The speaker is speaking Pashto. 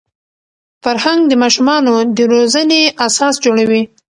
فرهنګ د ماشومانو د روزني اساس جوړوي.